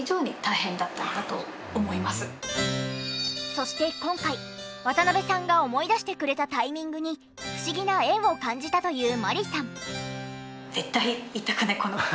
そして今回渡辺さんが思い出してくれたタイミングに不思議な縁を感じたという万里さん。